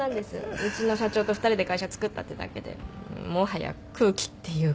うちの社長と２人で会社つくったってだけでもはや空気っていうか。